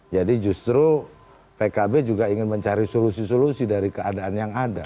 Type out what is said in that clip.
jadi justru pkb juga ingin mencari solusi solusi dari keadaan yang ada